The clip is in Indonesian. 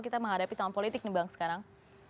kita menghadapi tanggung politik sekarang